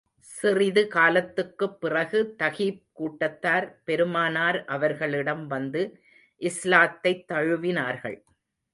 சிறிது காலத்துக்குப் பிறகு, தகீப் கூட்டத்தார் பெருமானார் அவர்களிடம் வந்து இஸ்லாத்தைத் தழுவினார்கள்.